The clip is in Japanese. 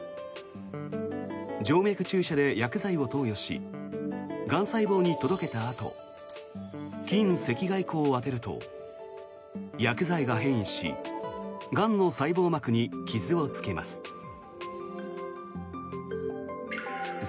静脈注射で薬剤を投与しがん細胞に届けたあと近赤外光を当てると薬剤が変異しがんの細胞膜に傷をつけます。